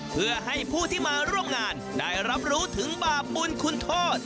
เพื่อให้ผู้ที่มาร่วมงานได้รับรู้ถึงบาปบุญคุณโทษ